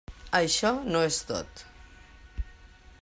Això no és tot.